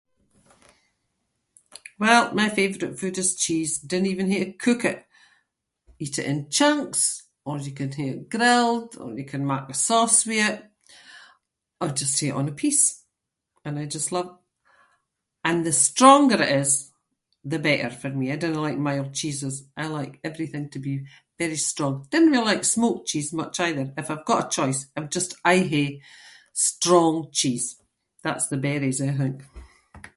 Well, my favourite food is cheese- dinna even hae to cook it. Eat it in chunks or you can hae it grilled or you can make a sauce with it or just hae it on a piece, and I just love- and the stronger it is the better for me. I dinna like mild cheeses. I like everything to be very strong. Dinna really like smoked cheese much either. If I’ve got a choice I would just aie hae strong cheese. That’s the berries, I think.